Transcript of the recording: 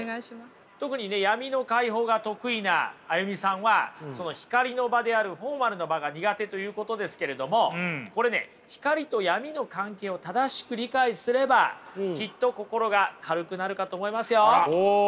特にね闇の解放が得意なＡＹＵＭＩさんはその光の場であるフォーマルな場が苦手ということですけれどもこれね光と闇の関係を正しく理解すればきっと心が軽くなるかと思いますよ。